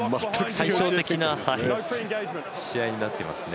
対照的な試合になっていますね。